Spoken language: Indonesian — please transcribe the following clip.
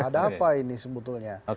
ada apa ini sebetulnya